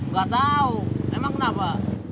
gak tau emang kenapa